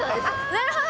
なるほど！